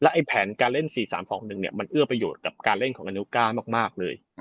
แล้วไอ้แผนการเล่นสี่สามสองหนึ่งเนี้ยมันเอื้อประโยชน์กับการเล่นของอันเนลก้ามากมากเลย